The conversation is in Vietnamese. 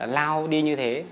lao đi như thế